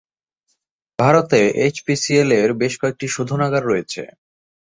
ভারতে এইচপিসিএল-এর বেশ কয়েকটি শোধনাগার রয়েছে।